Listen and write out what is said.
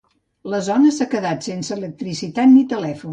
La zona s’ha quedat sense electricitat ni telèfon.